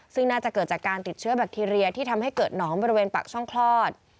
ซึ่งน่าจะเกิดจากการติดเชื้อแบคทีเรียที่ทำให้เกิดหนองบริเวณปากช่องคลอด